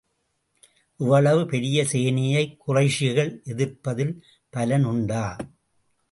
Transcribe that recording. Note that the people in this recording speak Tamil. இவ்வளவு பெரிய சேனையைக் குறைஷிகள் எதிர்ப்பதில் பலன் உண்டா?